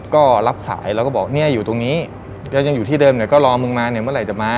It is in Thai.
ก็รับสายแล้วก็บอกเนี่ยอยู่ตรงนี้แล้วยังอยู่ที่เดิมเนี่ยก็รอมึงมาเนี่ยเมื่อไหร่จะมา